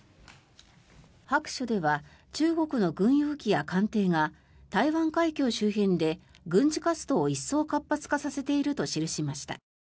白書では中国の軍用機や艦艇が台湾海峡周辺で軍事活動を一層活発化させていると記しました。